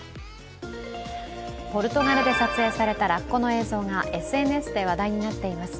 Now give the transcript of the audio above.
ポルトガルで撮影されたラッコの映像がＳＮＳで話題になっています。